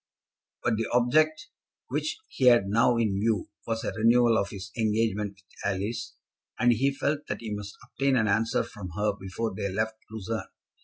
But the object which he had now in view was a renewal of his engagement with Alice, and he felt that he must obtain an answer from her before they left Lucerne.